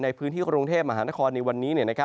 ในพื้นที่กรุงเทพมหานครในวันนี้